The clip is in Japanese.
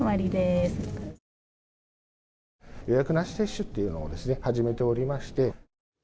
予約なし接種というのを始めておりまして。